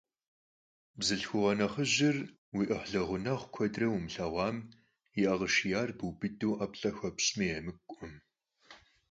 Бзылъхугъэ нэхъыжьыр уи ӏыхьлы гъунэгъу куэдрэ умылъэгъуамэ, и ӏэ къишияр бубыду ӏэплӏэ хуэпщӏми емыкӏукъым.